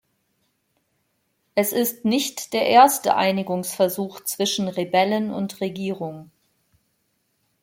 Es ist nicht der erste Einigungsversuch zwischen Rebellen und Regierung.